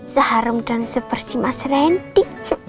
seharum dan sebersih mas randy